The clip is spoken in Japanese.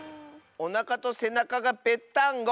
「おなかとせなかがぺっタンゴ」！